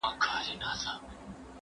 زه کولای سم کتابونه وليکم،،